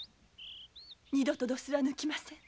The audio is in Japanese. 二度とドスは抜きません。